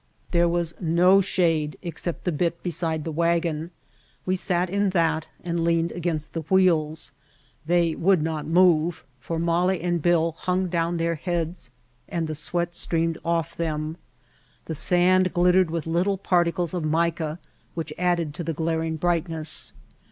There was no shade except the bit beside the wagon. We sat in that and leaned against the wheels. They would not move for Molly and Bill hung down their heads and the sweat streamed off them. The sand glittered with little particles of mica, which added to the glaring brightness.